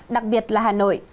đặc biệt là hà nội